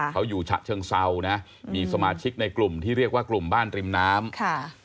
เขาอยู่ฉะเชิงเซานะมีสมาชิกในกลุ่มที่เรียกว่ากลุ่มบ้านริมน้ำค่ะ